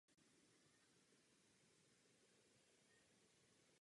Všechny charaktery namluvil Jiří Lábus.